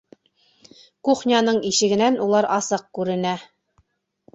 Кухняның ишегенән улар асыҡ күренә.